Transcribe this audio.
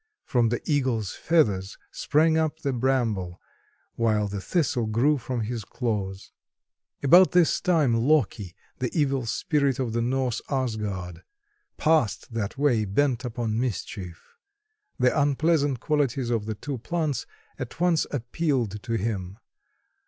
From the eagle's feathers sprang up the bramble, while the Thistle grew from his claws. About this time Loki, the evil spirit of the Norse Asgard, passed that way, bent upon mischief. The unpleasant qualities of the two plants at once appealed to him.